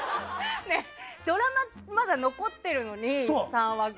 ドラマもまだ残ってるのに３話ぐらい。